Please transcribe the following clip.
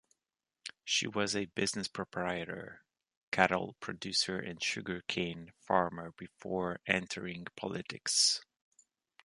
She was a business proprietor, cattle producer and sugar-cane farmer before entering politics.